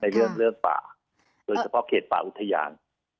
เรื่องป่าโดยเฉพาะเขตป่าอุทยาน